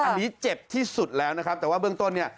อันนี้เจ็บที่สุดแล้วนะครับแต่ว่าเบื้องต้นเนี่ย